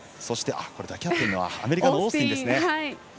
抱き合っているのはアメリカのオースティンですね。